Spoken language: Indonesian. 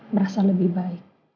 merasa lebih baik